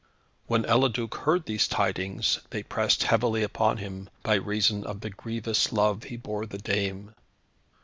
When Eliduc heard these tidings they pressed heavily upon him, by reason of the grievous love he bore the dame.